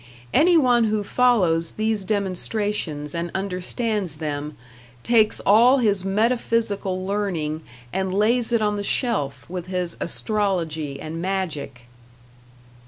Any one who follows these demonstrations and understands them, takes all his metaphysical learning and lays it on the shelf with his astrology and magic.